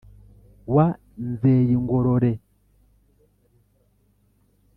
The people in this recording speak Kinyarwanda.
wa nzeyingorore